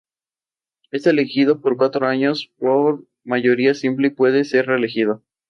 Así, empezó a trabajar como periodista en el Daily Advertiser de Boston.